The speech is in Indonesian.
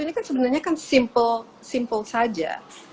ini kan sebenarnya kan simple simple saja